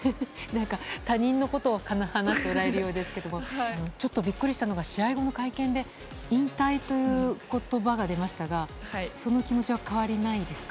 他人のことを話しているようですけどちょっとびっくりしたのが試合後の会見で引退という言葉が出ましたがその気持ちは変わりないですか。